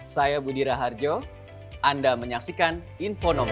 saya budira harjo anda menyaksikan infonomi